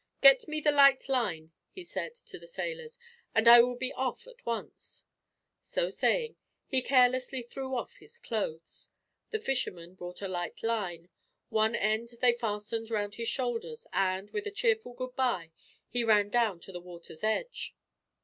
"Get me the light line," he said, to the sailors, "and I will be off, at once." So saying, he carelessly threw off his clothes. The fishermen brought a light line. One end they fastened round his shoulders and, with a cheerful goodbye, he ran down to the water's edge.